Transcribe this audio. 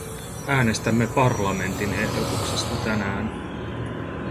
Äänestämme parlamentin ehdotuksesta tänään.